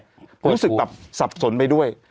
พยายามจะรู้สึกแบบสับสนไปด้วย